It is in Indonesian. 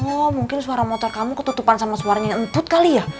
oh mungkin suara motor kamu ketutupan sama suaranya yang emput kali ya